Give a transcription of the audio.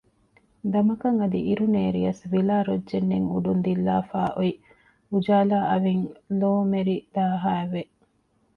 ދަމަކަށް އަދި އިރުނޭރިޔަސް ވިލާ ރޮއްޖެއް ނެތް އުޑުން ދިއްލާފައި އޮތް އުޖާލާ އަވިން ލޯމެރިދާހައި ވެ